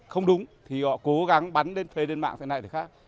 không đúng thì họ cố gắng bắn lên thuê lên mạng thế này để khác